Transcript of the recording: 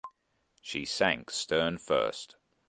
She sank stern first.